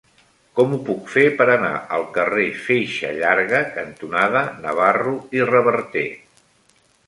Com ho puc fer per anar al carrer Feixa Llarga cantonada Navarro i Reverter?